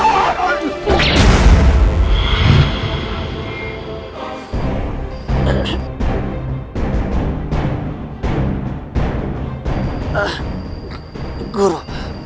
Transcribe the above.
kita rasalah samaestilo